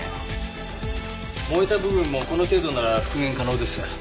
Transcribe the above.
燃えた部分もこの程度なら復元可能です。